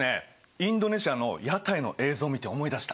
インドネシアの屋台の映像を見て思い出した！